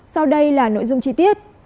sau đây là nội dung chi tiết